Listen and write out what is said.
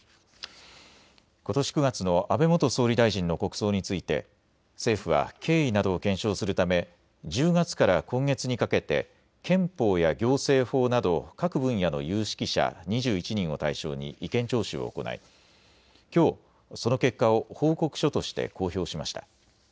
ことし９月の安倍元総理大臣の国葬について政府は経緯などを検証するため１０月から今月にかけて憲法や行政法など各分野の有識者２１人を対象に意見聴取を行いきょう、その結果を報告書として公表しました。